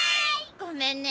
ごめんね